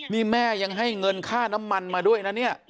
นี่แม่ยังให้เงินค่าน้ำมันมาด้วยนะเนี่ย